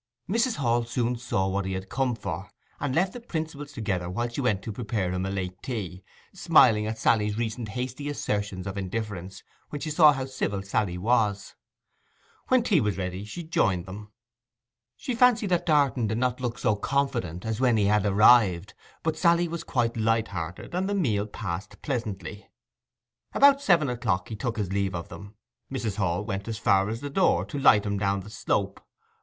Mrs. Hall soon saw what he had come for, and left the principals together while she went to prepare him a late tea, smiling at Sally's recent hasty assertions of indifference, when she saw how civil Sally was. When tea was ready she joined them. She fancied that Darton did not look so confident as when he had arrived; but Sally was quite light hearted, and the meal passed pleasantly. About seven he took his leave of them. Mrs. Hall went as far as the door to light him down the slope.